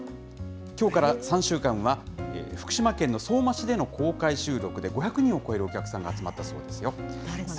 きょうから３週間は、福島県の相馬市での公開収録で５００人を超えるお客さんが集まったそうですよ。